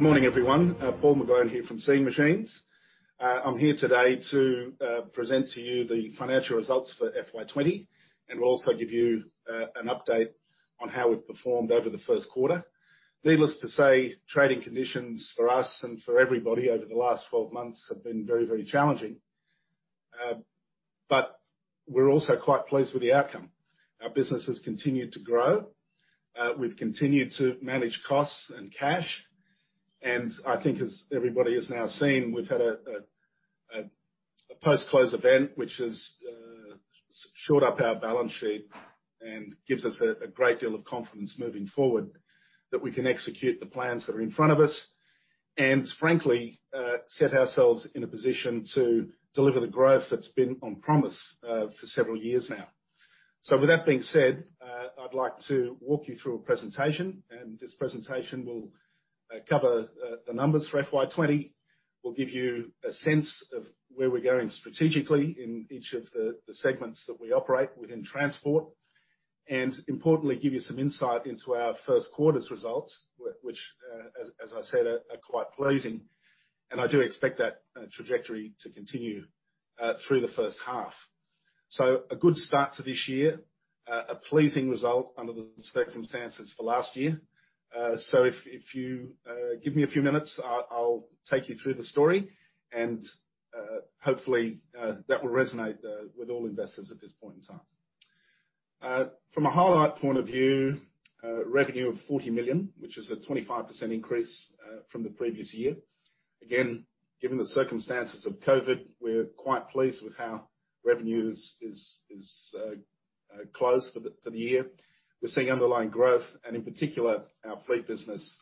Good morning, everyone. Paul McGlone here from Seeing Machines. I'm here today to present to you the financial results for FY 2020, and we'll also give you an update on how we've performed over the first quarter. Needless to say, trading conditions for us and for everybody over the last 12 months have been very, very challenging. We're also quite pleased with the outcome. Our business has continued to grow. We've continued to manage costs and cash, and I think as everybody has now seen, we've had a post-close event, which has shored up our balance sheet and gives us a great deal of confidence moving forward that we can execute the plans that are in front of us, and frankly, set ourselves in a position to deliver the growth that's been on promise for several years now. With that being said, I'd like to walk you through a presentation, and this presentation will cover the numbers for FY 2020, will give you a sense of where we're going strategically in each of the segments that we operate within transport, and importantly, give you some insight into our first quarter's results, which, as I said, are quite pleasing. I do expect that trajectory to continue through the first half. A good start to this year, a pleasing result under the circumstances for last year. If you give me a few minutes, I'll take you through the story and, hopefully, that will resonate with all investors at this point in time. From a highlight point of view, revenue of 40 million, which is a 25% increase from the previous year. Again, given the circumstances of COVID, we're quite pleased with how revenue is closed for the year. We're seeing underlying growth, and in particular, our fleet business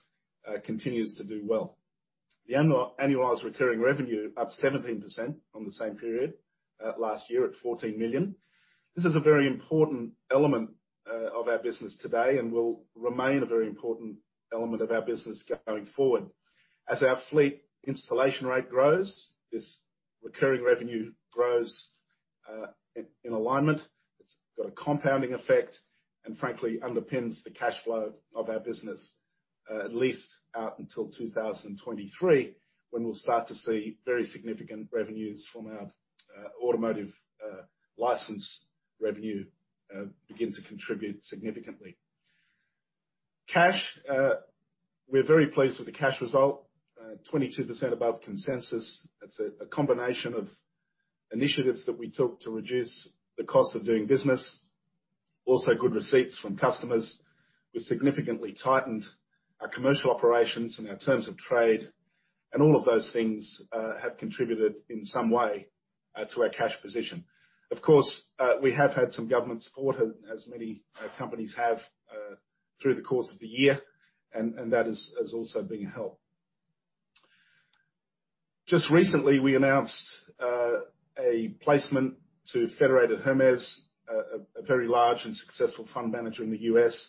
continues to do well. The annualized recurring revenue up 17% on the same period last year at 14 million. This is a very important element of our business today and will remain a very important element of our business going forward. As our fleet installation rate grows, this recurring revenue grows in alignment. It's got a compounding effect and frankly underpins the cash flow of our business, at least out until 2023, when we'll start to see very significant revenues from our automotive license revenue begin to contribute significantly. Cash. We're very pleased with the cash result. 22% above consensus. That's a combination of initiatives that we took to reduce the cost of doing business. Also, good receipts from customers. We significantly tightened our commercial operations and our terms of trade. All of those things have contributed in some way to our cash position. Of course, we have had some government support, as many companies have, through the course of the year. That has also been a help. Just recently, we announced a placement to Federated Hermes, a very large and successful fund manager in the U.S.,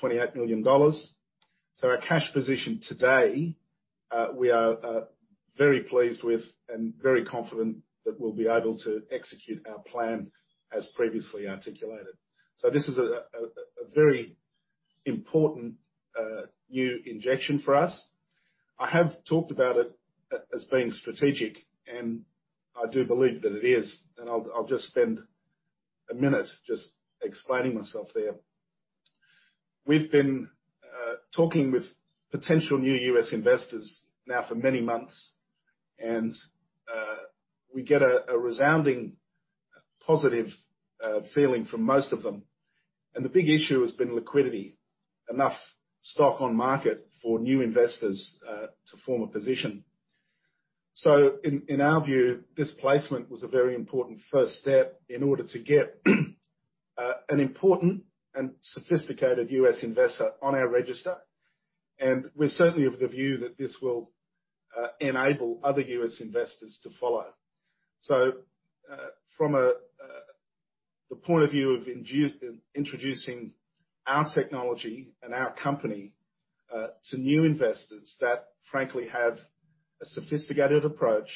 of $28 million. Our cash position today, we are very pleased with and very confident that we'll be able to execute our plan as previously articulated. This is a very important new injection for us. I have talked about it as being strategic. I do believe that it is. I'll just spend a minute just explaining myself there. We've been talking with potential new U.S. investors now for many months. We get a resounding positive feeling from most of them. The big issue has been liquidity. Enough stock on market for new investors to form a position. In our view, this placement was a very important first step in order to get an important and sophisticated U.S. investor on our register, and we're certainly of the view that this will enable other U.S. investors to follow. From the point of view of introducing our technology and our company to new investors that frankly have a sophisticated approach.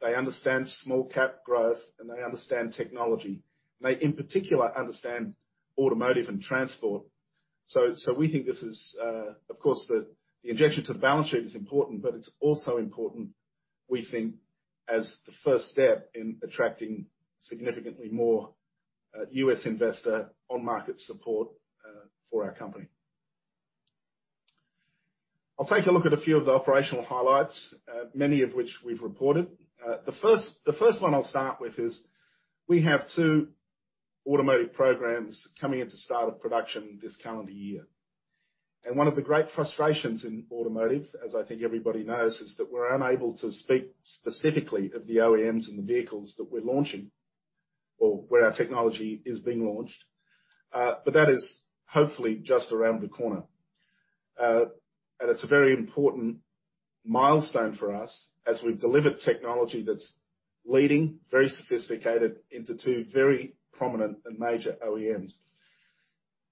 They understand small cap growth, and they understand technology. They, in particular, understand automotive and transport. We think this is, of course, the injection to the balance sheet is important, but it's also important, we think, as the first step in attracting significantly more U.S. investor on market support for our company. I'll take a look at a few of the operational highlights, many of which we've reported. The first one I'll start with is we have two automotive programs coming into start of production this calendar year. One of the great frustrations in automotive, as I think everybody knows, is that we're unable to speak specifically of the OEMs and the vehicles that we're launching or where our technology is being launched. That is hopefully just around the corner. It's a very important milestone for us as we've delivered technology that's leading, very sophisticated into two very prominent and major OEMs.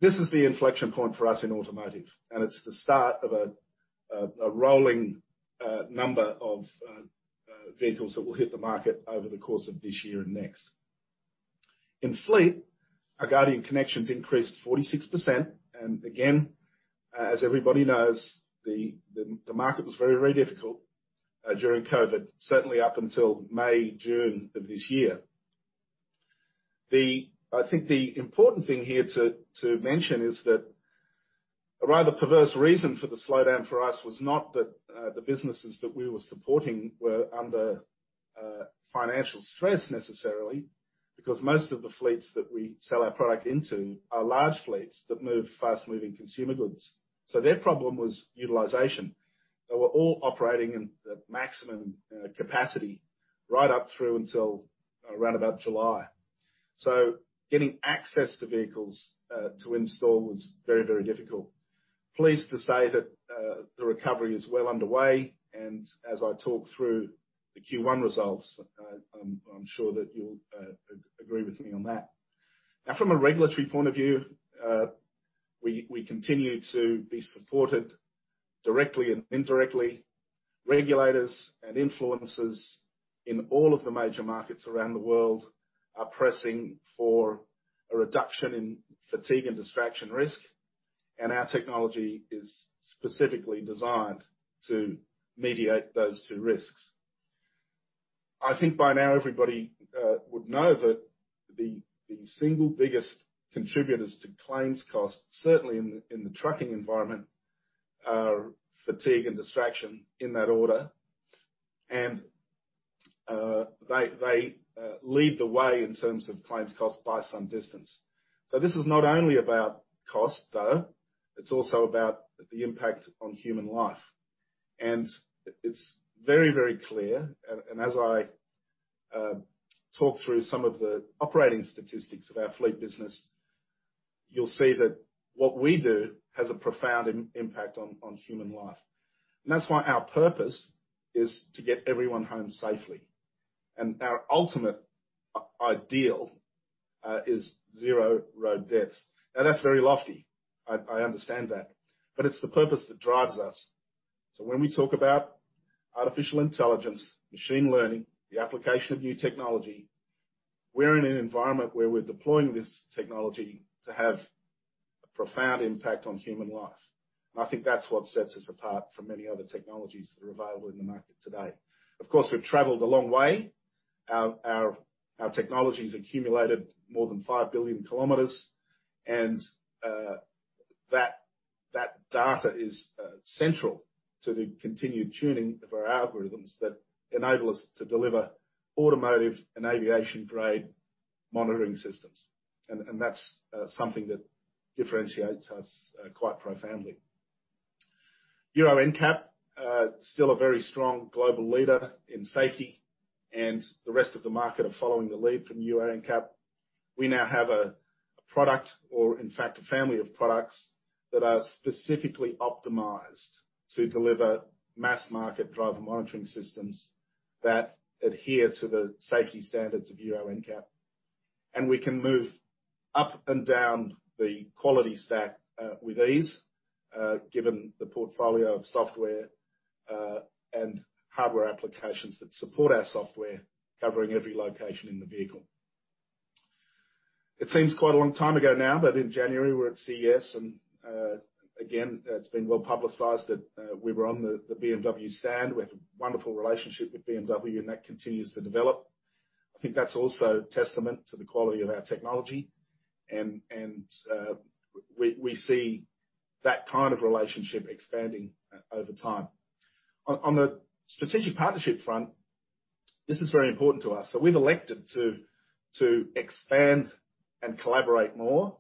This is the inflection point for us in automotive, and it's the start of a rolling number of vehicles that will hit the market over the course of this year and next. In fleet, our Guardian Connections increased 46%. Again, as everybody knows, the market was very difficult during COVID, certainly up until May, June of this year. I think the important thing here to mention is that a rather perverse reason for the slowdown for us was not that the businesses that we were supporting were under financial stress necessarily, because most of the fleets that we sell our product into are large fleets that move fast-moving consumer goods. Their problem was utilization. They were all operating in the maximum capacity right up through until around about July. Getting access to vehicles to install was very difficult. Pleased to say that the recovery is well underway, As I talk through the Q1 results, I'm sure that you'll agree with me on that. Now, from a regulatory point of view, we continue to be supported directly and indirectly. Regulators and influencers in all of the major markets around the world are pressing for a reduction in fatigue and distraction risk, Our technology is specifically designed to mediate those two risks. I think by now everybody would know that the single biggest contributors to claims costs, certainly in the trucking environment, are fatigue and distraction in that order. They lead the way in terms of claims cost by some distance. This is not only about cost, though, it's also about the impact on human life. It's very clear, as I talk through some of the operating statistics of our fleet business, you'll see that what we do has a profound impact on human life. That's why our purpose is to get everyone home safely. Our ultimate ideal is zero road deaths. That's very lofty. I understand that. It's the purpose that drives us. When we talk about artificial intelligence, machine learning, the application of new technology, we're in an environment where we're deploying this technology to have a profound impact on human life. I think that's what sets us apart from many other technologies that are available in the market today. Of course, we've traveled a long way. Our technologies accumulated more than 5 billion km. That data is central to the continued tuning of our algorithms that enable us to deliver automotive and aviation-grade monitoring systems. That's something that differentiates us quite profoundly. Euro NCAP, still a very strong global leader in safety, and the rest of the market are following the lead from Euro NCAP. We now have a product or, in fact, a family of products that are specifically optimized to deliver mass market driver monitoring systems that adhere to the safety standards of Euro NCAP. We can move up and down the quality stack with ease, given the portfolio of software and hardware applications that support our software, covering every location in the vehicle. It seems quite a long time ago now, but in January, we were at CES, and again, it's been well-publicized that we were on the BMW stand. We have a wonderful relationship with BMW, and that continues to develop. I think that's also testament to the quality of our technology, and we see that kind of relationship expanding over time. On the strategic partnership front, this is very important to us. We've elected to expand and collaborate more.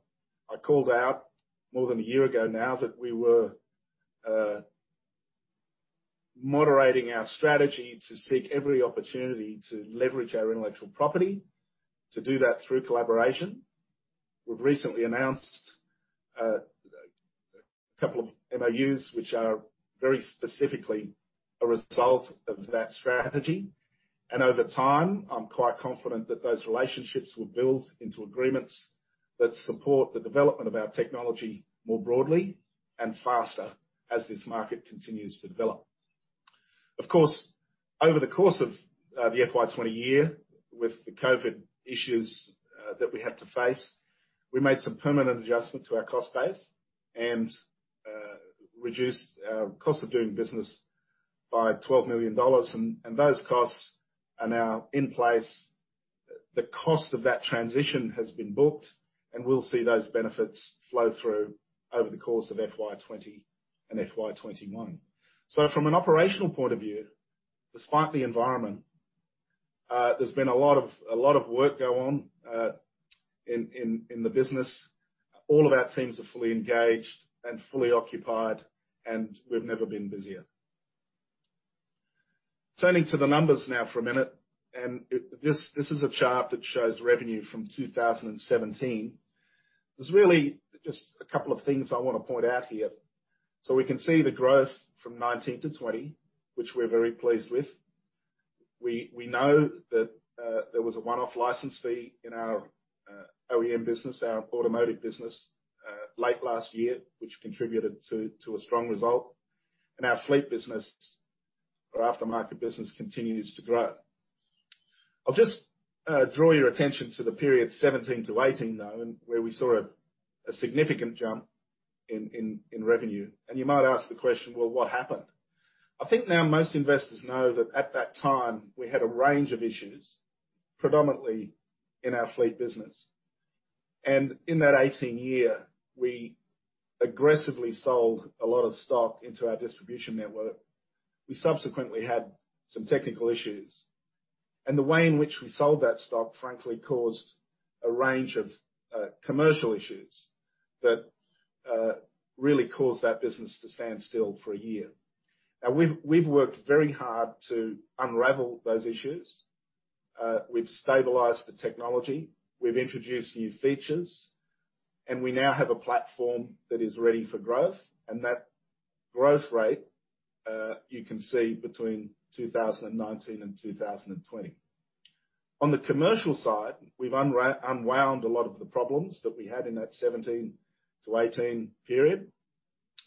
I called out more than a year ago now that we were moderating our strategy to seek every opportunity to leverage our intellectual property, to do that through collaboration. We've recently announced a couple of MOUs, which are very specifically a result of that strategy. Over time, I'm quite confident that those relationships will build into agreements that support the development of our technology more broadly and faster as this market continues to develop. Of course, over the course of the FY 2020 year, with the COVID issues that we had to face, we made some permanent adjustments to our cost base and reduced cost of doing business by 12 million dollars. Those costs are now in place. The cost of that transition has been booked, and we will see those benefits flow through over the course of FY 2020 and FY 2021. From an operational point of view, despite the environment, there has been a lot of work go on in the business. All of our teams are fully engaged and fully occupied, and we have never been busier. Turning to the numbers now for a minute, this is a chart that shows revenue from 2017. There is really just a couple of things I want to point out here. We can see the growth from 2019 to 2020, which we are very pleased with. We know that there was a one-off license fee in our OEM business, our automotive business, late last year, which contributed to a strong result. Our aftermarket business continues to grow. I'll just draw your attention to the period 2017 to 2018, though, where we saw a significant jump in revenue. You might ask the question, well, what happened? I think now most investors know that at that time, we had a range of issues, predominantly in our fleet business. In that 2018 year, we aggressively sold a lot of stock into our distribution network. We subsequently had some technical issues, and the way in which we sold that stock, frankly, caused a range of commercial issues that really caused that business to stand still for a year. Now, we've worked very hard to unravel those issues. We've stabilized the technology, we've introduced new features. We now have a platform that is ready for growth. That growth rate, you can see between 2019 and 2020. On the commercial side, we've unwound a lot of the problems that we had in that 2017 to 2018 period.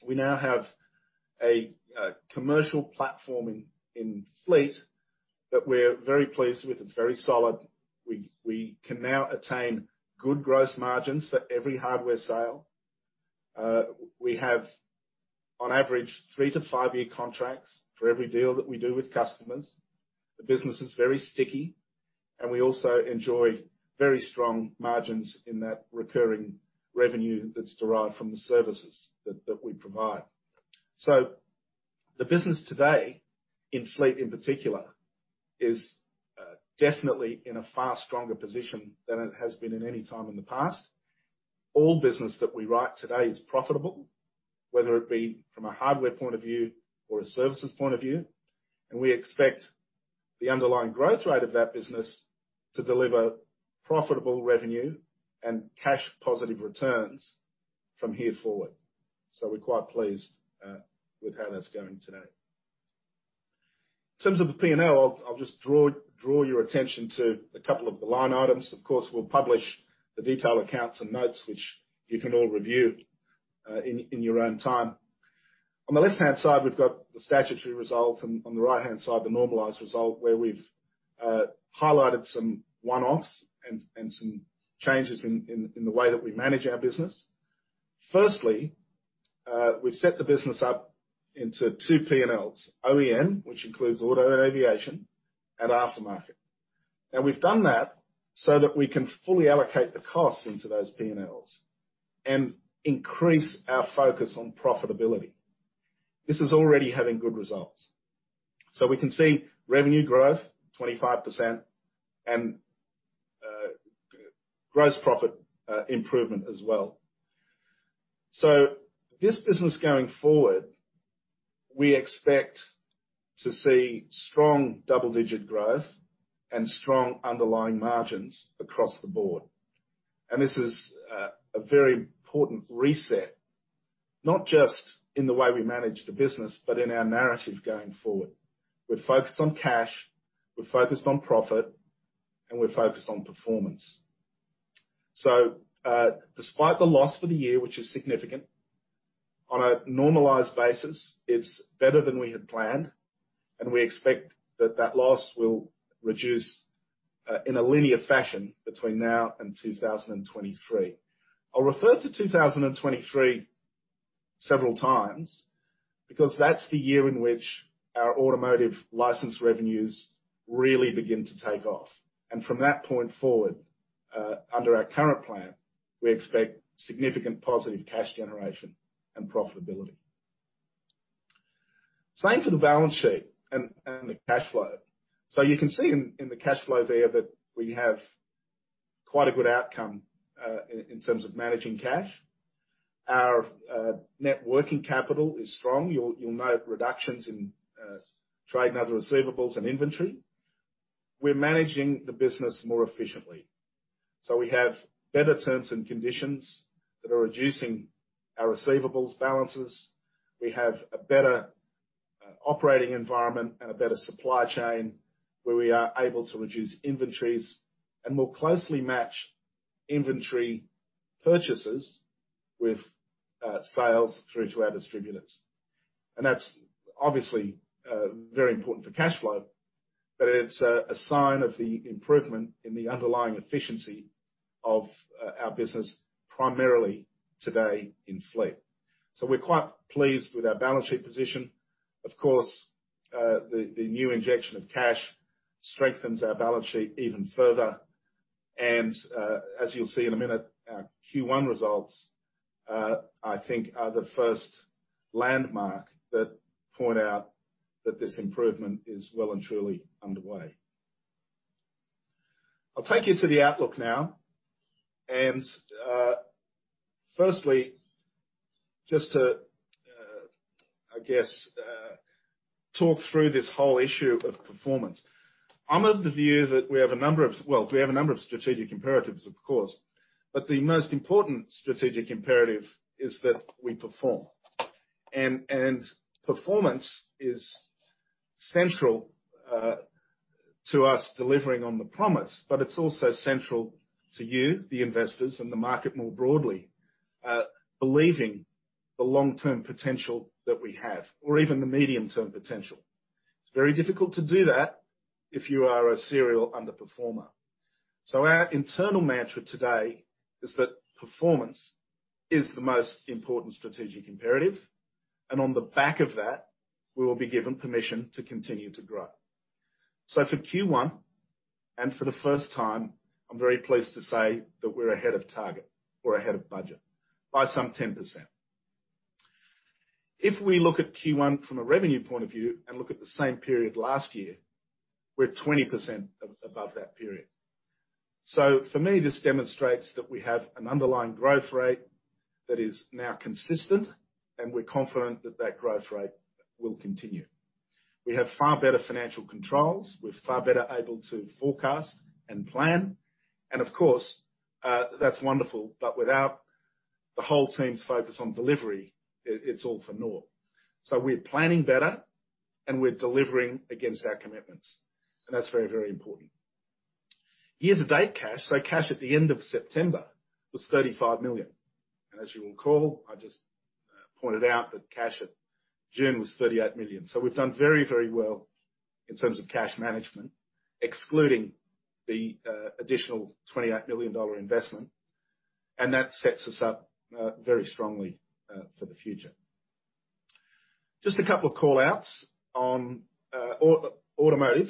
We now have a commercial platform in Fleet that we're very pleased with. It's very solid. We can now attain good gross margins for every hardware sale. We have, on average, three to five year contracts for every deal that we do with customers. The business is very sticky. We also enjoy very strong margins in that recurring revenue that's derived from the services that we provide. The business today, in Fleet, in particular, is definitely in a far stronger position than it has been at any time in the past. All business that we write today is profitable, whether it be from a hardware point of view or a services point of view, and we expect the underlying growth rate of that business to deliver profitable revenue and cash positive returns from here forward. We're quite pleased with how that's going today. In terms of the P&L, I'll just draw your attention to a couple of the line items. Of course, we'll publish the detailed accounts and notes, which you can all review in your own time. On the left-hand side, we've got the statutory result, and on the right-hand side, the normalized result, where we've highlighted some one-offs and some changes in the way that we manage our business. Firstly, we've set the business up into two P&Ls, OEM, which includes auto and aviation, and Aftermarket. We've done that so that we can fully allocate the costs into those P&Ls and increase our focus on profitability. This is already having good results. We can see revenue growth 25%, and gross profit improvement as well. This business going forward, we expect to see strong double-digit growth and strong underlying margins across the board. This is a very important reset, not just in the way we manage the business, but in our narrative going forward. We're focused on cash, we're focused on profit, and we're focused on performance. Despite the loss for the year, which is significant, on a normalized basis, it's better than we had planned, and we expect that that loss will reduce in a linear fashion between now and 2023. I'll refer to 2023 several times because that's the year in which our automotive license revenues really begin to take off. From that point forward, under our current plan, we expect significant positive cash generation and profitability. Same for the balance sheet and the cash flow. You can see in the cash flow there that we have quite a good outcome in terms of managing cash. Our net working capital is strong. You'll note reductions in trade and other receivables and inventory. We're managing the business more efficiently. We have better terms and conditions that are reducing our receivables balances. We have a better operating environment and a better supply chain where we are able to reduce inventories and more closely match inventory purchases with sales through to our distributors. That's obviously very important for cash flow, but it's a sign of the improvement in the underlying efficiency of our business, primarily today in Fleet. We're quite pleased with our balance sheet position. Of course, the new injection of cash strengthens our balance sheet even further. As you'll see in a minute, our Q1 results, I think are the first landmark that point out that this improvement is well and truly underway. I'll take you to the outlook now. Firstly, talk through this whole issue of performance. I'm of the view that we have a number of strategic imperatives, of course, but the most important strategic imperative is that we perform. Performance is central to us delivering on the promise, but it's also central to you, the investors, and the market more broadly, believing the long-term potential that we have, or even the medium-term potential. It's very difficult to do that if you are a serial underperformer. Our internal mantra today is that performance is the most important strategic imperative, and on the back of that, we will be given permission to continue to grow. For Q1, and for the first time, I'm very pleased to say that we're ahead of target or ahead of budget by some 10%. If we look at Q1 from a revenue point of view and look at the same period last year, we're 20% above that period. For me, this demonstrates that we have an underlying growth rate that is now consistent, and we're confident that that growth rate will continue. We have far better financial controls. We're far better able to forecast and plan. Of course, that's wonderful, but without the whole team's focus on delivery, it's all for naught. We're planning better, and we're delivering against our commitments, and that's very, very important. Year to date cash. Cash at the end of September was 35 million. As you will recall, I just pointed out that cash at June was 38 million. We've done very, very well in terms of cash management, excluding the additional $28 million investment, and that sets us up very strongly for the future. Just a couple of call-outs on automotive.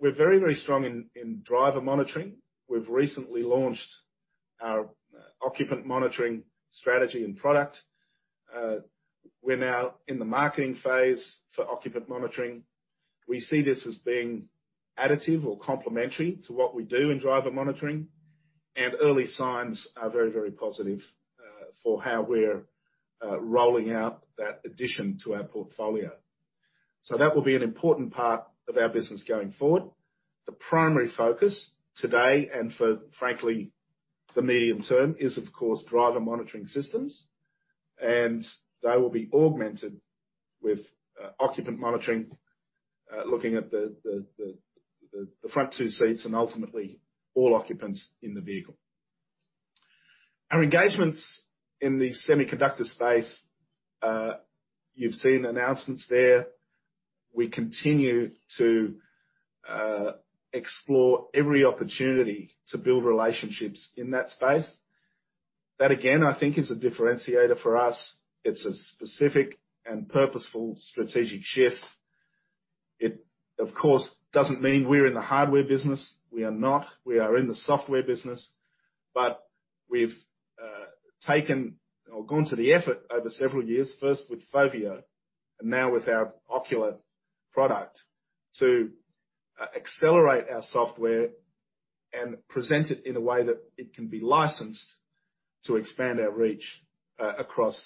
We're very, very strong in driver monitoring. We've recently launched our occupant monitoring strategy and product. We're now in the marketing phase for occupant monitoring. We see this as being additive or complementary to what we do in driver monitoring, and early signs are very, very positive for how we're rolling out that addition to our portfolio. That will be an important part of our business going forward. The primary focus today and for, frankly, the medium-term is, of course, driver monitoring systems, and they will be augmented with occupant monitoring, looking at the front two seats and ultimately all occupants in the vehicle. Our engagements in the semiconductor space, you've seen announcements there. We continue to explore every opportunity to build relationships in that space. That, again, I think is a differentiator for us. It's a specific and purposeful strategic shift. It, of course, doesn't mean we're in the hardware business. We are not. We are in the software business. We've taken or gone to the effort over several years, first with FOVIO and now with our Occula product, to accelerate our software and present it in a way that it can be licensed to expand our reach across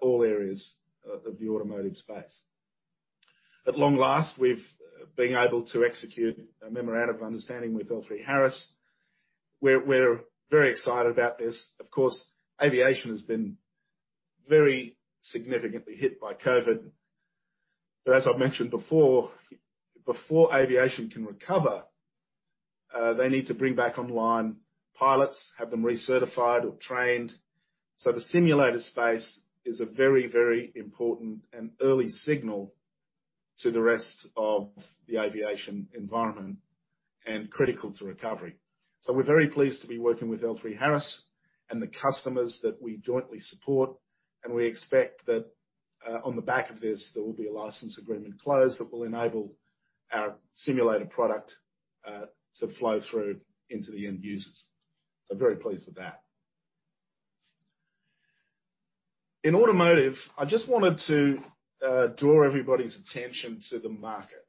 all areas of the automotive space. At long last, we've been able to execute a memorandum of understanding with L3Harris. We're very excited about this. Of course, aviation has been very significantly hit by COVID. As I've mentioned before aviation can recover, they need to bring back online pilots, have them recertified or trained. The simulator space is a very, very important and early signal to the rest of the aviation environment and critical to recovery. We're very pleased to be working with L3Harris and the customers that we jointly support, and we expect that on the back of this, there will be a license agreement closed that will enable our simulator product to flow through into the end users. Very pleased with that. In automotive, I just wanted to draw everybody's attention to the market.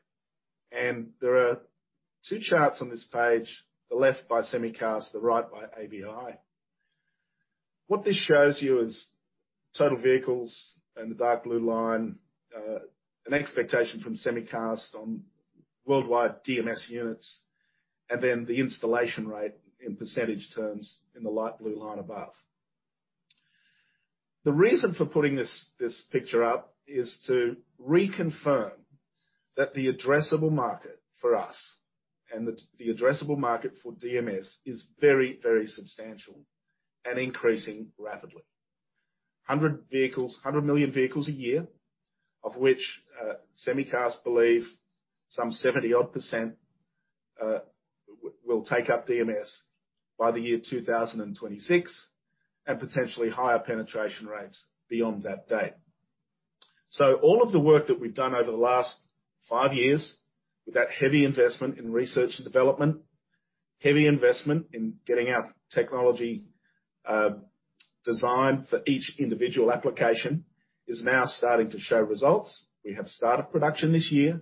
There are two charts on this page, the left by Semicast the right by ABI. What this shows you is total vehicles in the dark blue line, an expectation from Semicast on worldwide DMS units, and then the installation rate in percentage terms in the light blue line above. The reason for putting this picture up is to reconfirm that the addressable market for us and the addressable market for DMS is very, very substantial and increasing rapidly. 100 million vehicles a year, of which Semicast believe some 70% odd will take up DMS by the year 2026 and potentially higher penetration rates beyond that date. All of the work that we've done over the last five years with that heavy investment in research and development, heavy investment in getting our technology designed for each individual application is now starting to show results. We have start of production this year.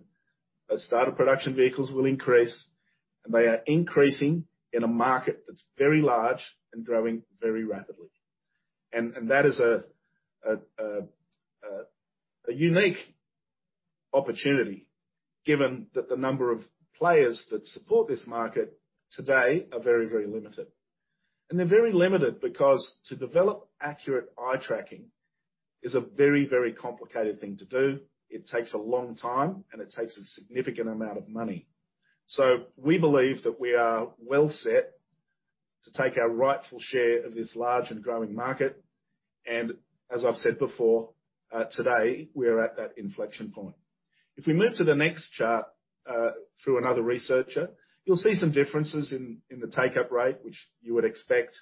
Those start of production vehicles will increase, and they are increasing in a market that's very large and growing very rapidly. That is a unique opportunity given that the number of players that support this market today are very, very limited. They're very limited because to develop accurate eye tracking is a very, very complicated thing to do. It takes a long time, and it takes a significant amount of money. We believe that we are well set to take our rightful share of this large and growing market. As I've said before, today, we are at that inflection point. If we move to the next chart, through another researcher, you'll see some differences in the take-up rate, which you would expect,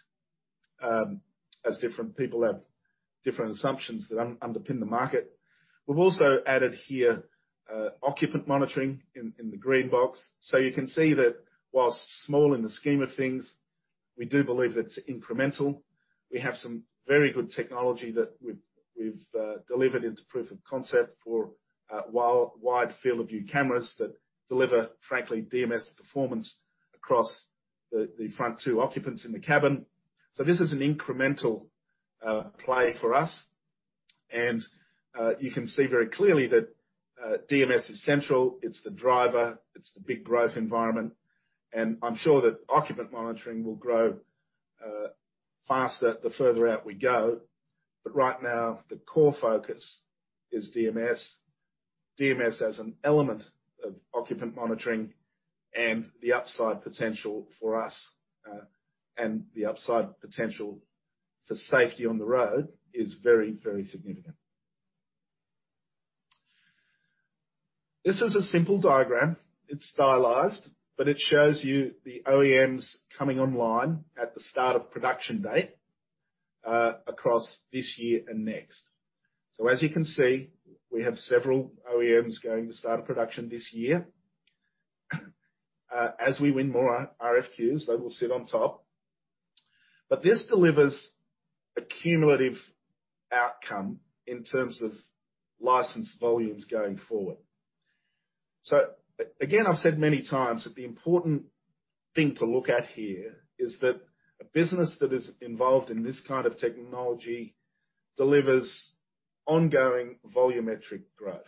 as different people have different assumptions that underpin the market. We've also added here occupant monitoring in the green box. You can see that while small in the scheme of things, we do believe it's incremental. We have some very good technology that we've delivered into proof of concept for wide field of view cameras that deliver, frankly, DMS performance across the front two occupants in the cabin. This is an incremental play for us. You can see very clearly that DMS is central. It's the driver. It's the big growth environment. I'm sure that occupant monitoring will grow faster the further out we go. Right now, the core focus is DMS. DMS as an element of occupant monitoring and the upside potential for us, and the upside potential for safety on the road is very, very significant. This is a simple diagram. It's stylized, it shows you the OEMs coming online at the start of production date, across this year and next. As you can see, we have several OEMs going to start a production this year. As we win more RFQs, they will sit on top. This delivers a cumulative outcome in terms of licensed volumes going forward. Again, I've said many times that the important thing to look at here is that a business that is involved in this kind of technology delivers ongoing volumetric growth.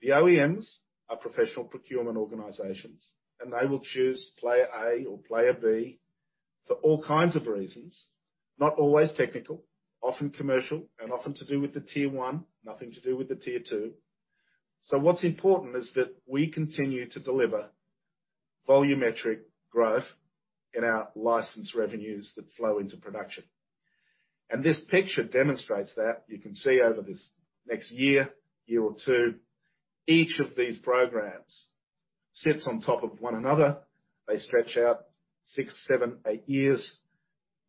The OEMs are professional procurement organizations. They will choose player A or player B for all kinds of reasons. Not always technical, often commercial, often to do with the Tier 1, nothing to do with the Tier 2. What's important is that we continue to deliver volumetric growth in our license revenues that flow into production. This picture demonstrates that. You can see over this next year or two, each of these programs sits on top of one another. They stretch out six, seven, eight years.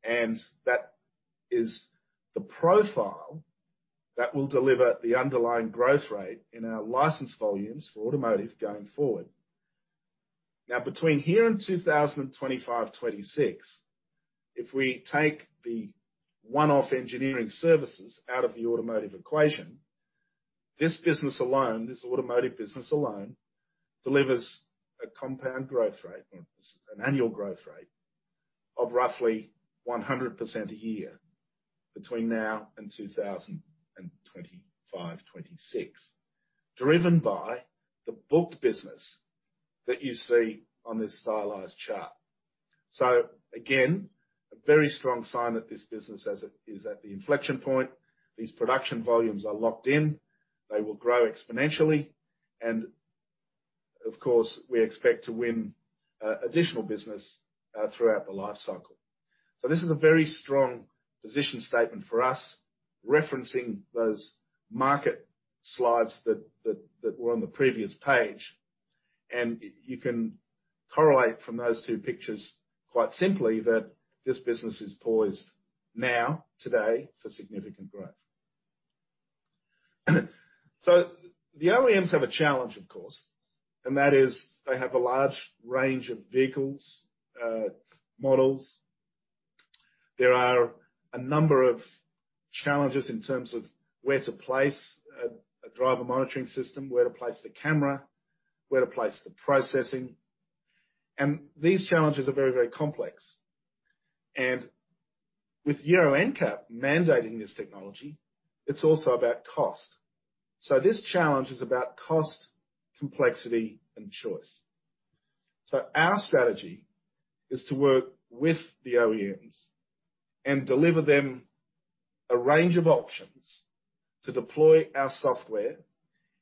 That is the profile that will deliver the underlying growth rate in our license volumes for automotive going forward. Now, between here and 2025, 2026, if we take the one-off engineering services out of the automotive equation, this business alone, this automotive business alone, delivers a compound growth rate or an annual growth rate of roughly 100% a year between now and 2025, 2026. Driven by the booked business that you see on this stylized chart. Again, a very strong sign that this business is at the inflection point. These production volumes are locked in. They will grow exponentially. Of course, we expect to win additional business throughout the life cycle. This is a very strong position statement for us, referencing those market slides that were on the previous page. You can correlate from those two pictures quite simply that this business is poised now, today, for significant growth. The OEMs have a challenge, of course. That is, they have a large range of vehicles, models. There are a number of challenges in terms of where to place a driver monitoring system, where to place the camera, where to place the processing. These challenges are very complex. With Euro NCAP mandating this technology, it is also about cost. This challenge is about cost, complexity, and choice. Our strategy is to work with the OEMs and deliver them a range of options to deploy our software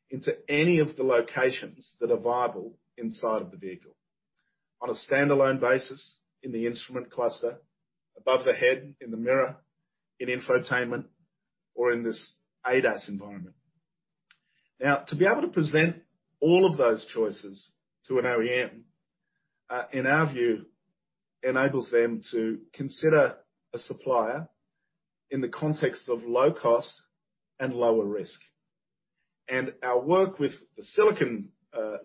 into any of the locations that are viable inside of the vehicle. On a standalone basis in the instrument cluster, above the head in the mirror, in infotainment, or in this ADAS environment. Now, to be able to present all of those choices to an OEM, in our view, enables them to consider a supplier in the context of low cost and lower risk. Our work with the silicon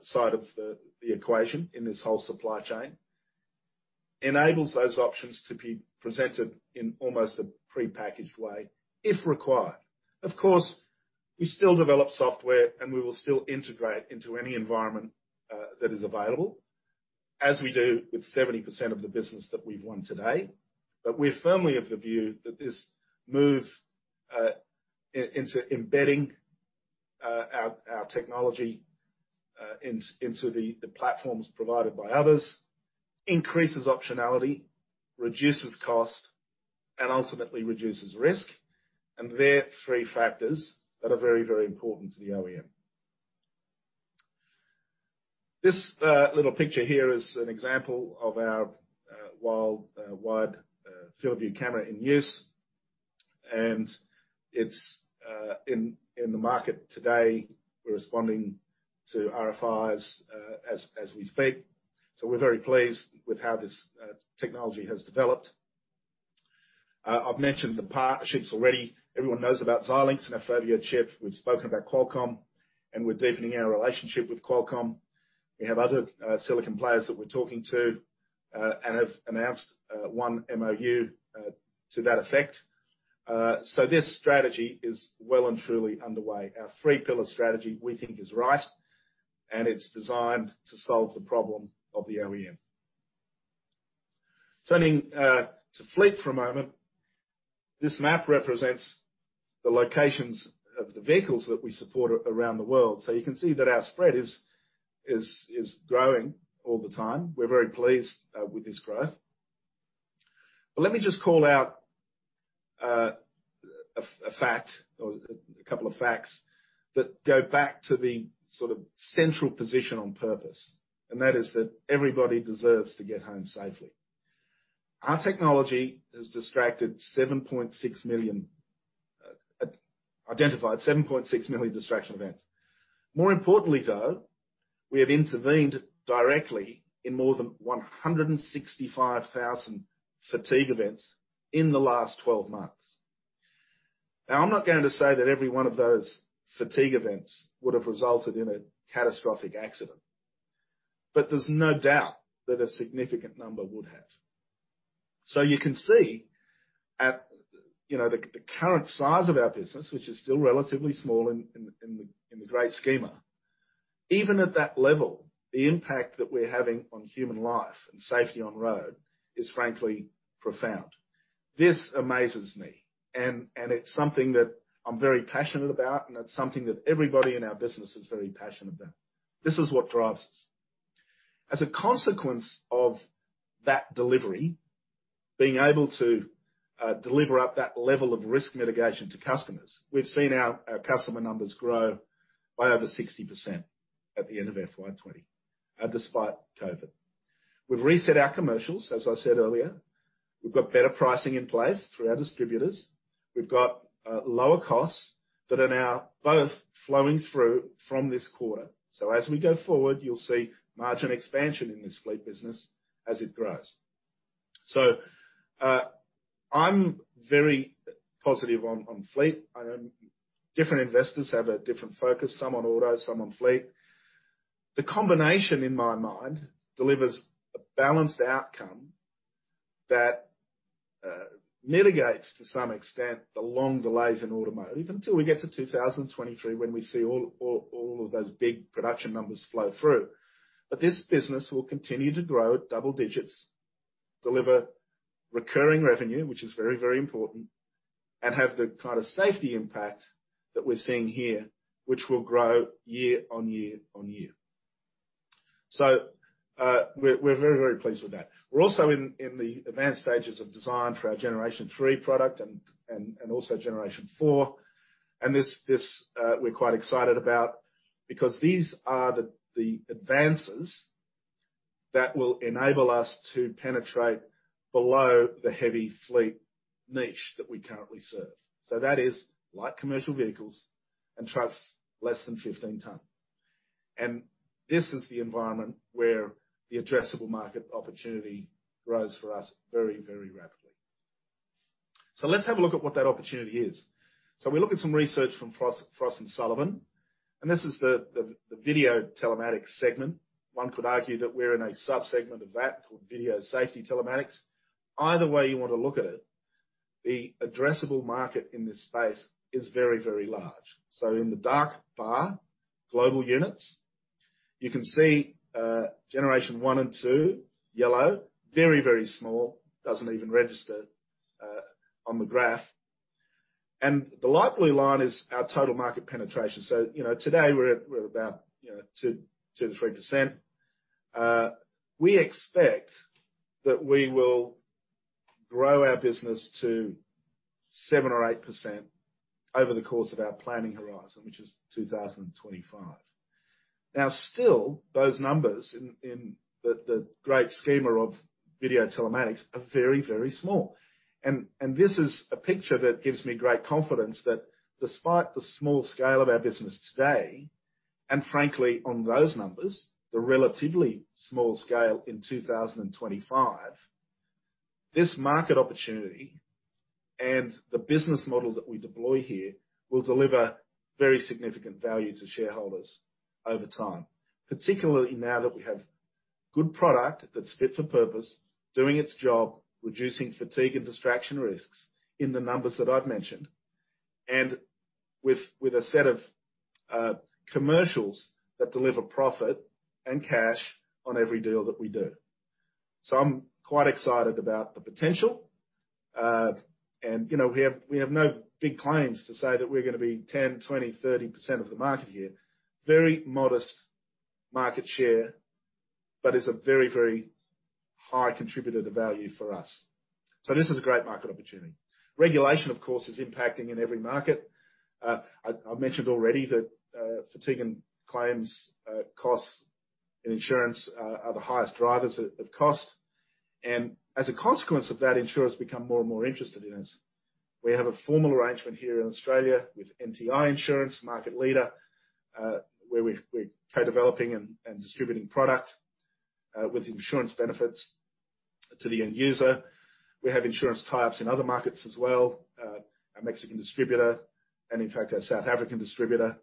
side of the equation in this whole supply chain enables those options to be presented in almost a prepackaged way, if required. Of course, we still develop software, and we will still integrate into any environment that is available, as we do with 70% of the business that we've won today. We're firmly of the view that this move into embedding our technology into the platforms provided by others, increases optionality, reduces cost, and ultimately reduces risk. They're three factors that are very, very important to the OEM. This little picture here is an example of our wide field of view camera in use. It's in the market today. We're responding to RFIs as we speak. We're very pleased with how this technology has developed. I've mentioned the partnerships already. Everyone knows about Xilinx and our FOVIO Chip. We've spoken about Qualcomm, and we're deepening our relationship with Qualcomm. We have other silicon players that we're talking to and have announced one MOU to that effect. This strategy is well and truly underway. Our three-pillar strategy, we think is right, and it's designed to solve the problem of the OEM. Turning to fleet for a moment. This map represents the locations of the vehicles that we support around the world. You can see that our spread is growing all the time. We're very pleased with this growth. Let me just call out a fact or a couple of facts that go back to the sort of central position on purpose, and that is that everybody deserves to get home safely. Our technology has identified 7.6 million distraction events. More importantly, we have intervened directly in more than 165,000 fatigue events in the last 12 months. I'm not going to say that every one of those fatigue events would have resulted in a catastrophic accident. There's no doubt that a significant number would have. You can see at the current size of our business, which is still relatively small in the great schema. Even at that level, the impact that we're having on human life and safety on road is frankly profound. This amazes me, and it's something that I'm very passionate about, and it's something that everybody in our business is very passionate about. This is what drives us. As a consequence of that delivery, being able to deliver up that level of risk mitigation to customers, we've seen our customer numbers grow by over 60% at the end of FY 2020, despite COVID. We've reset our commercials, as I said earlier. We've got better pricing in place through our distributors. We've got lower costs that are now both flowing through from this quarter. As we go forward, you'll see margin expansion in this fleet business as it grows. I'm very positive on fleet. Different investors have a different focus, some on auto, some on fleet. The combination, in my mind, delivers a balanced outcome that mitigates, to some extent, the long delays in automotive until we get to 2023, when we see all of those big production numbers flow through. This business will continue to grow at double digits, deliver recurring revenue, which is very, very important, and have the kind of safety impact that we're seeing here, which will grow year-on-year-on-year. We're very, very pleased with that. We're also in the advanced stages of design for our Generation 3 product and also Generation 4. This we're quite excited about because these are the advances that will enable us to penetrate below the heavy fleet niche that we currently serve. That is light commercial vehicles and trucks less than 15 tons. This is the environment where the addressable market opportunity grows for us very, very rapidly. Let's have a look at what that opportunity is. We look at some research from Frost & Sullivan, and this is the video telematics segment. One could argue that we're in a sub-segment of that called video safety telematics. Either way you want to look at it, the addressable market in this space is very, very large. In the dark bar, global units, you can see Generation 1 and 2, yellow, very, very small, doesn't even register on the graph. The light blue line is our total market penetration. Today we're at about 2%-3%. We expect that we will grow our business to 7% or 8% over the course of our planning horizon, which is 2025. Still, those numbers in the great schema of video telematics are very, very small. This is a picture that gives me great confidence that despite the small scale of our business today, and frankly, on those numbers, the relatively small scale in 2025, this market opportunity and the business model that we deploy here will deliver very significant value to shareholders over time, particularly now that we have good product that's fit for purpose, doing its job, reducing fatigue and distraction risks in the numbers that I've mentioned, and with a set of commercials that deliver profit and cash on every deal that we do. I'm quite excited about the potential. We have no big claims to say that we're going to be 10%, 20%, 30% of the market here. Very modest market share, but is a very high contributor to value for us. This is a great market opportunity. Regulation, of course, is impacting in every market. I've mentioned already that fatigue and claims costs and insurance are the highest drivers of cost. As a consequence of that, insurers become more and more interested in us. We have a formal arrangement here in Australia with NTI Insurance, market leader, where we're co-developing and distributing product with insurance benefits to the end user. We have insurance tie-ups in other markets as well, our Mexican distributor, and in fact, our South African distributor.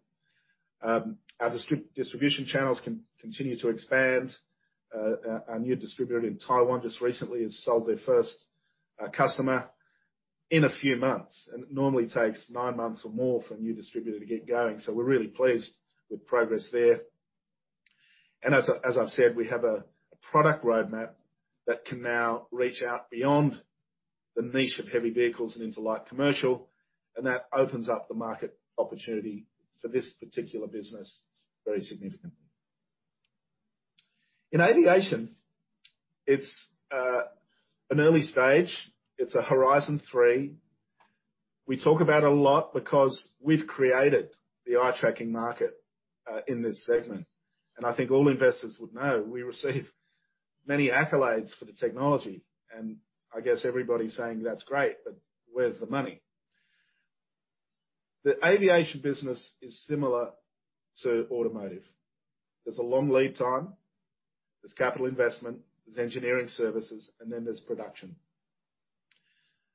Our distribution channels continue to expand. Our new distributor in Taiwan just recently has sold their first customer in a few months. It normally takes nine months or more for a new distributor to get going. We're really pleased with progress there. As I've said, we have a product roadmap that can now reach out beyond the niche of heavy vehicles and into light commercial, and that opens up the market opportunity for this particular business very significantly. In aviation, it's an early stage. It's a horizon 3. We talk about it a lot because we've created the eye tracking market in this segment. I think all investors would know, we receive many accolades for the technology, and I guess everybody's saying that's great, but where's the money? The aviation business is similar to automotive. There's a long lead time. There's capital investment, there's engineering services, and then there's production.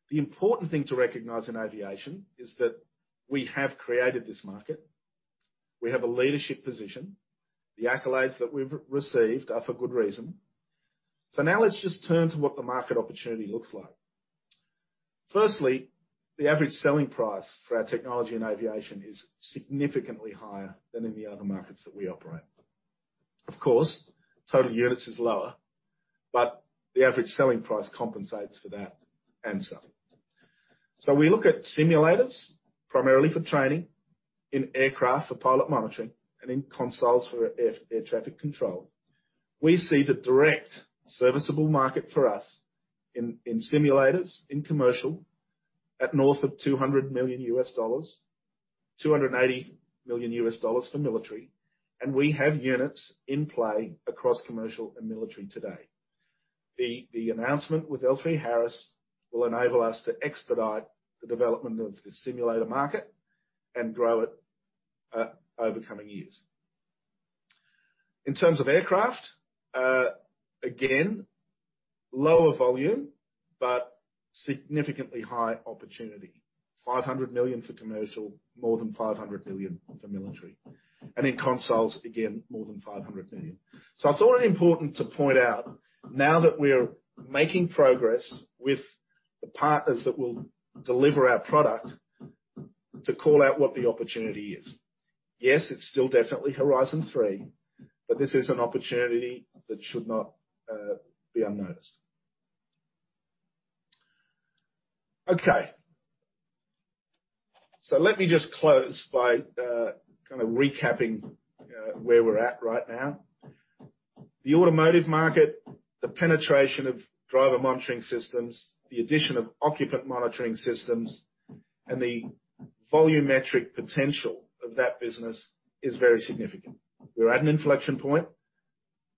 The important thing to recognize in aviation is that we have created this market. We have a leadership position. The accolades that we've received are for good reason. Now let's just turn to what the market opportunity looks like. The average selling price for our technology in aviation is significantly higher than in the other markets that we operate. Of course, total units is lower, the average selling price compensates for that and some. We look at simulators primarily for training in aircraft, for pilot monitoring, and in consoles for air traffic control. We see the direct serviceable market for us in simulators, in commercial at north of AUD 200 million, AUD 280 million for military, and we have units in play across commercial and military today. The announcement with L3Harris will enable us to expedite the development of the simulator market and grow it over coming years. In terms of aircraft, again, lower volume, significantly high opportunity. 500 million for commercial, more than 500 million for military. In consoles, again, more than 500 million. I thought it important to point out, now that we're making progress with the partners that will deliver our product, to call out what the opportunity is. Yes, it's still definitely horizon three, but this is an opportunity that should not be unnoticed. Okay. Let me just close by kind of recapping where we're at right now. The automotive market, the penetration of driver monitoring systems, the addition of occupant monitoring systems, and the volumetric potential of that business is very significant. We're at an inflection point.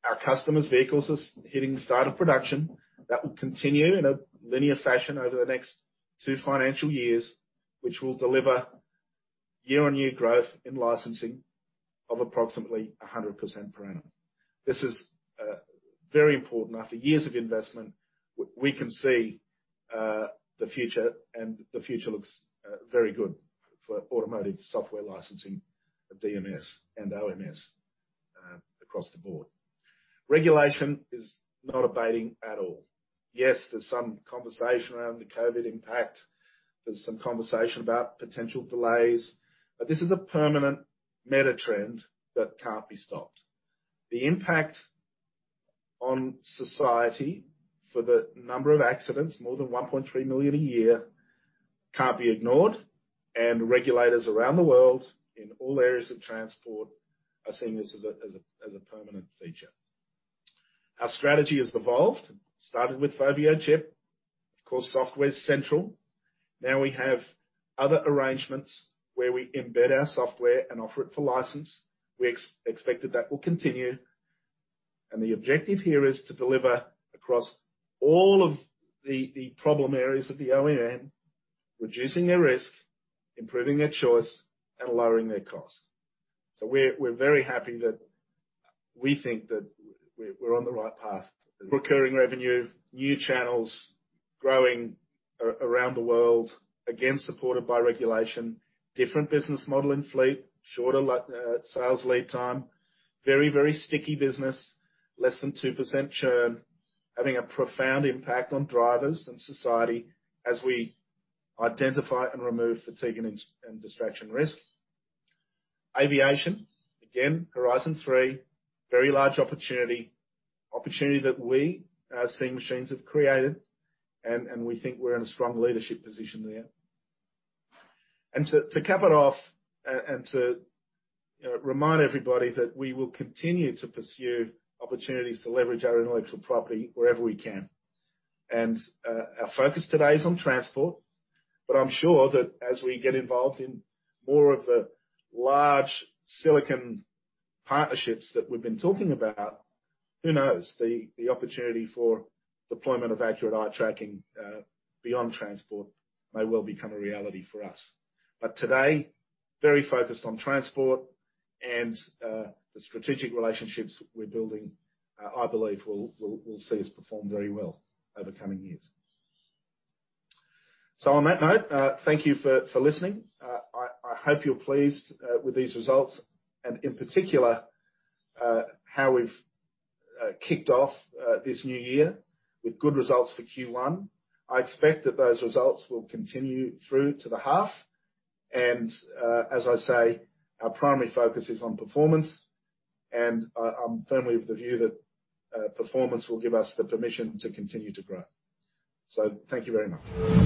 Our customers' vehicles are hitting the start of production. That will continue in a linear fashion over the next two financial years, which will deliver year-on-year growth in licensing of approximately 100% per annum. This is very important. After years of investment, we can see the future, and the future looks very good for automotive software licensing of DMS and OMS across the board. Regulation is not abating at all. Yes, there's some conversation around the COVID impact. There's some conversation about potential delays. This is a permanent meta trend that can't be stopped. The impact on society for the number of accidents, more than 1.3 million a year, can't be ignored. Regulators around the world in all areas of transport are seeing this as a permanent feature. Our strategy has evolved. It started with FOVIO Chip. Of course, software's central. Now we have other arrangements where we embed our software and offer it for license. We expect that that will continue. The objective here is to deliver across all of the problem areas of the OEM, reducing their risk, improving their choice, and lowering their cost. We're very happy that we think that we're on the right path. Recurring revenue, new channels, growing around the world, again, supported by regulation. Different business model in fleet, shorter sales lead time. Very sticky business. Less than 2% churn. Having a profound impact on drivers and society as we identify and remove fatigue and distraction risk. Aviation, again, horizon three, very large opportunity. Opportunity that we as Seeing Machines have created, and we think we're in a strong leadership position there. To cap it off and to remind everybody that we will continue to pursue opportunities to leverage our intellectual property wherever we can. Our focus today is on transport. I'm sure that as we get involved in more of the large silicon partnerships that we've been talking about, who knows? The opportunity for deployment of accurate eye tracking beyond transport may well become a reality for us. Today, very focused on transport and the strategic relationships we're building I believe will see us perform very well over coming years. On that note, thank you for listening. I hope you're pleased with these results and in particular, how we've kicked off this new year with good results for Q1. I expect that those results will continue through to the half. As I say, our primary focus is on performance, and I'm firmly of the view that performance will give us the permission to continue to grow. Thank you very much.